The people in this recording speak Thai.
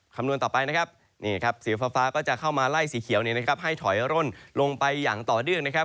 คำนวณต่อไปนะครับนี่ครับสีฟ้าก็จะเข้ามาไล่สีเขียวให้ถอยร่นลงไปอย่างต่อเนื่องนะครับ